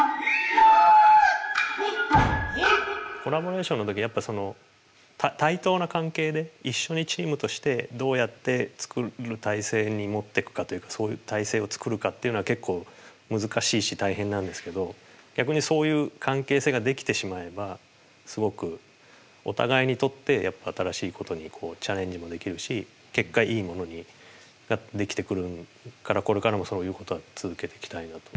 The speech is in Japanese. コラボレーションの時に対等な関係で一緒にチームとしてどうやって作る体制に持ってくかそういう体制を作るかっていうのは結構難しいし大変なんですけど逆にそういう関係性が出来てしまえばすごくお互いにとって新しいことにチャレンジもできるし結果いいものが出来てくるからこれからもそういうことは続けていきたいなと。